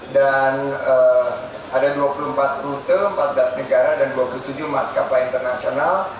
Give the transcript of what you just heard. dan ada dua puluh empat rute empat belas negara dan dua puluh tujuh maskapai internasional